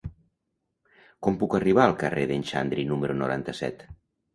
Com puc arribar al carrer d'en Xandri número noranta-set?